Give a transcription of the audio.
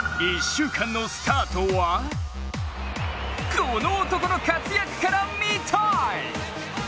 １週間のスタートはこの男の活躍から見たい！